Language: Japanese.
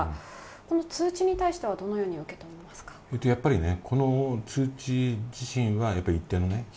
この通知に対してはどのように受け止めますか続いてはスポーツです。